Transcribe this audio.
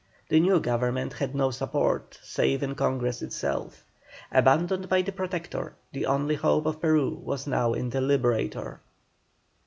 The new Government had no support, save in Congress itself. Abandoned by the Protector, the only hope of Peru was now in the Liberator.